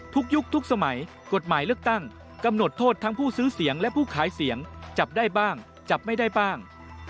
ยุคทุกสมัยกฎหมายเลือกตั้งกำหนดโทษทั้งผู้ซื้อเสียงและผู้ขายเสียงจับได้บ้างจับไม่ได้บ้าง